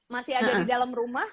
masih ada di dalam rumah